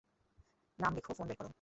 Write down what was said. নাম লিখো, ফোন বের করো।